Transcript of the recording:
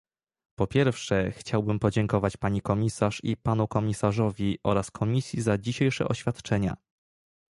Po pierwsze chciałbym podziękować pani komisarz i panu komisarzowi oraz Komisji za dzisiejsze oświadczenia